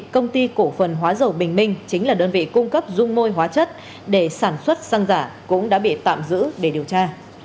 công ty cổ phần hóa dầu bình minh chính là đơn vị cung cấp dung môi hóa chất để sản xuất xăng giả cũng đã bị tạm giữ để điều tra